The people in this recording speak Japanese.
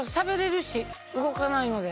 動かないので。